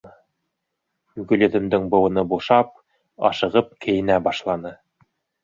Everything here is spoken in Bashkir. Гөлйөҙөмдөң быуыны бушап, ашығып кейенә башланы.